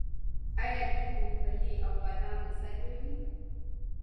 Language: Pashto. آیا دوی ممپلی او بادام نه صادروي؟